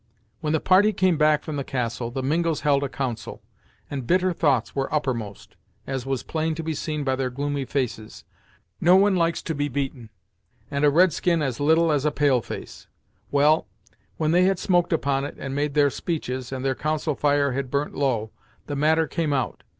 When the party came back from the castle, the Mingos held a council, and bitter thoughts were uppermost, as was plain to be seen by their gloomy faces. No one likes to be beaten, and a red skin as little as a pale face. Well, when they had smoked upon it, and made their speeches, and their council fire had burnt low, the matter came out.